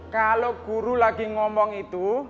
kalau guru lagi ngomong itu